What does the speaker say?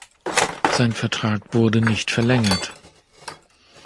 Sein Vertrag wurde nicht verlängert.